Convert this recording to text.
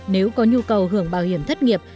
nếu có nhu cầu hưởng bảo hiểm thất nghiệp